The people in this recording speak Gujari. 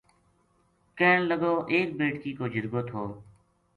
کہن لگو ایک بیٹکی کو جِرگو تھو